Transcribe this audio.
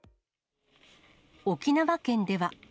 沖縄県では。